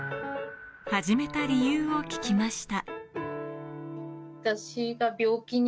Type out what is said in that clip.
始めた理由を聞きました。